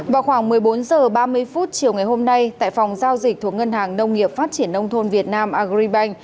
vào khoảng một mươi bốn h ba mươi chiều ngày hôm nay tại phòng giao dịch thuộc ngân hàng nông nghiệp phát triển nông thôn việt nam agribank